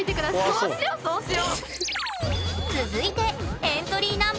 そうしよそうしよ。